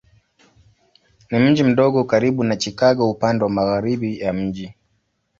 Ni mji mdogo karibu na Chicago upande wa magharibi ya mji.